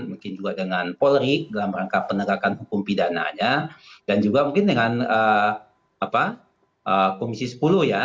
mungkin juga dengan polri dalam rangka penegakan hukum pidananya dan juga mungkin dengan komisi sepuluh ya